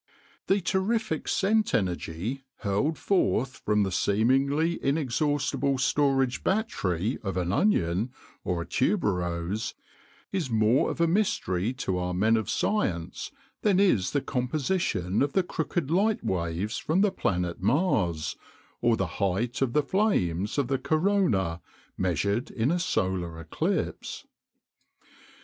The terrific scent energy hurled forth from the seemingly inexhaustible storage battery of an Onion or a Tuberose is more of a mystery to our men of science than is the composition of the crooked light waves from the planet Mars or the height of the flames of the Corona, measured in a solar eclipse.